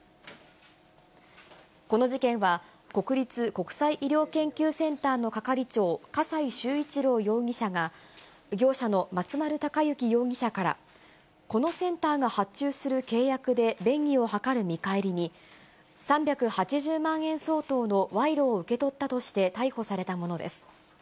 この事件は、国立国際医療研究センターの係長、笠井崇一郎容疑者が、業者の松丸隆行容疑者からこのセンターが発注する契約で便宜を図る見返りに、３８０万円相当のわいろを受け取ったとして、逮捕されたものです。